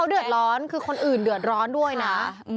เดือดร้อนคือคนอื่นเดือดร้อนด้วยนะ